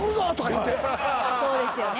そうですよね